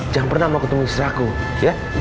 jangan pernah mau ketemu istri aku ya